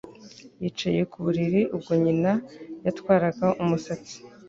yicaye ku buriri ubwo nyina yatwaraga umusatsi